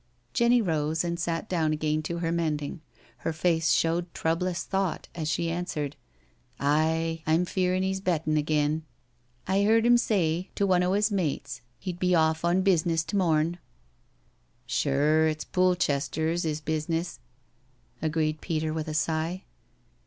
Jenny rose and sat down again to her mending. Her face showed troublous thought as she answered, Aye — I'm feerin' he's bettin' again. I heard 'im say to one o' his mates he'd be off on bizness to morn." " Sure, it's Poolchester's 'is bizness," agreed Peter, with a sigh.